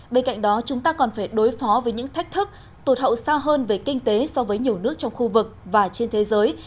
bên cạnh đó chúng ta còn phải đối phó với những thách thức tụt hậu xa hơn về kinh tế so với nhiều nước trong khu vực và trên thế giới